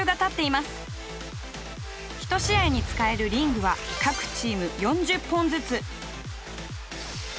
１試合に使えるリングは各チーム４０本ずつ。